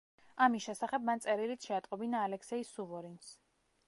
ამის შესახებ მან წერილით შეატყობინა ალექსეი სუვორინს.